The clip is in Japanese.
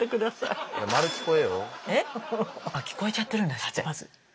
聞こえちゃってるんですって。